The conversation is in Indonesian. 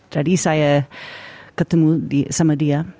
jadi saya ketemu sama dia